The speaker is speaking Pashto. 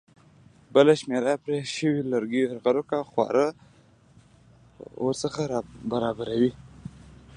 بله شمېره یې پر پرې شویو لرګیو یرغل کوي او خواړه ورڅخه برابروي.